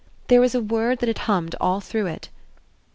There was a word that had hummed all through it.